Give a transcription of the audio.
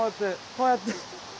こうやって。